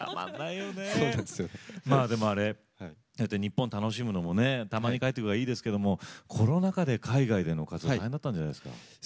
まあでもそうやって日本を楽しむのもねたまに帰ってくるからいいですけどもコロナ禍で海外での活動大変だったんじゃないですか？